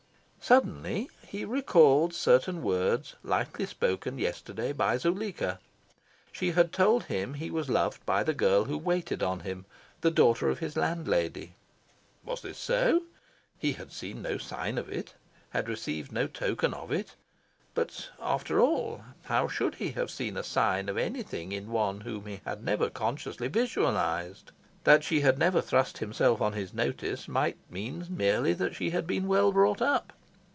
Suddenly he recalled certain words lightly spoken yesterday by Zuleika. She had told him he was loved by the girl who waited on him the daughter of his landlady. Was this so? He had seen no sign of it, had received no token of it. But, after all, how should he have seen a sign of anything in one whom he had never consciously visualised? That she had never thrust herself on his notice might mean merely that she had been well brought up.